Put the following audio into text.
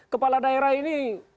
kepala daerah ini